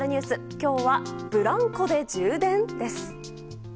今日は、ブランコで充電！？です。